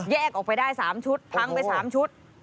ออกไปได้๓ชุดพังไป๓ชุด